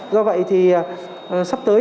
do vậy thì sắp tới